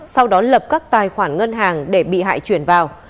sau đó lập các tài khoản ngân hàng để bị hại chuyển vào